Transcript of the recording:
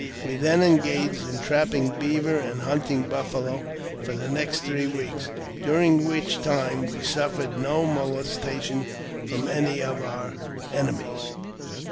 We then engaged in trapping beaver and hunting buffalo for the next three weeks, during which time we suffered no moles tation from any of our enemies.